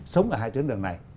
sống ở hai tuyến đường này